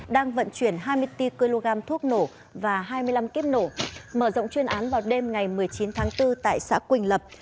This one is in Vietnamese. đang vận chuyển hai mươi bốn kg thuốc nổ và hai mươi năm kiếp nổ mở rộng chuyên án vào đêm ngày một mươi chín tháng bốn tại xã quỳnh lập